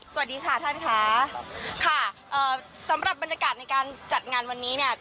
สวัสดีค่ะท่านค่ะครับค่ะเอ่อสำหรับบรรยากาศในการจัดงานวันนี้เนี่ย